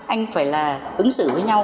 anh phải ứng xử với nhau